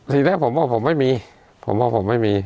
สิ่งแรกผมบอกว่าผมไม่มี